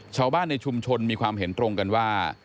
ชาวบ้านในชุมชนมีความเห็นตรงกันว่า